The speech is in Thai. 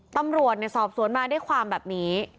ตำรวจสอบสวนมาด้วยความแบบนี้